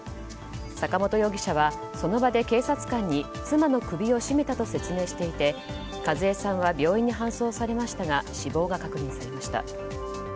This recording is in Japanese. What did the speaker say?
坂本容疑者はその場で警察官に妻の首を絞めたと説明していて説明していて、数江さんは病院に搬送されましたが死亡が確認されました。